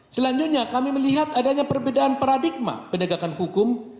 selanjutnya kami melihat adanya perbedaan paradigma penegakan hukum